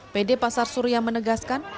pd pasar suria menegaskan